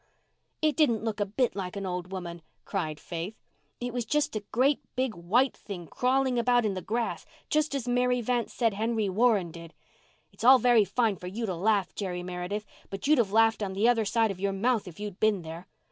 "It didn't look a bit like an old woman," cried Faith. "It was just a great, big, white thing crawling about in the grass just as Mary Vance said Henry Warren did. It's all very fine for you to laugh, Jerry Meredith, but you'd have laughed on the other side of your mouth if you'd been there.